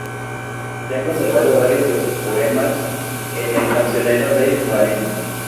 Se han conservado varios de sus poemas en el Cancionero de Baena.